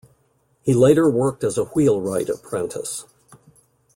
He later worked as a wheelwright apprentice.